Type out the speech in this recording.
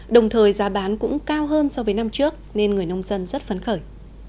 đồng thời giá bán cũng cao hơn so với năm trước nên người nông dân rất phấn khởi